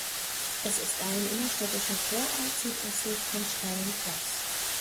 Es ist ein innerstädtischer Vorort südöstlich von Charing Cross.